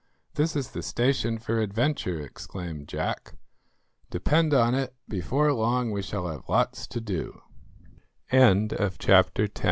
"This is the station for adventure," exclaimed Jack; "depend on it before long we shall have lots to do." CHAPTER ELEVEN.